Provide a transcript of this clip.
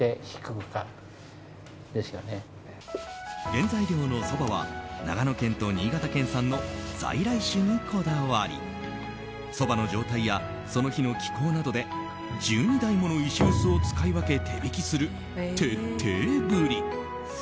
原材料のそばは長野県と新潟県産の在来種にこだわりそばの状態やその日の気候などで１２台もの石臼を使い分け手びきする徹底ぶり。